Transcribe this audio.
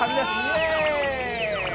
イエーイ！